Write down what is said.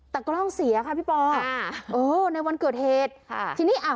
แต่กล้องเสียค่ะพี่ปอค่ะเออในวันเกิดเหตุค่ะทีนี้อ่า